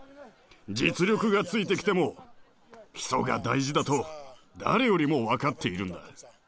実力がついてきても基礎が大事だと誰よりも分かっているんだ。